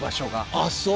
あっそう。